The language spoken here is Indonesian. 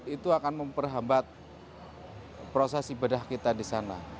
itu akan memperhambat proses ibadah kita di sana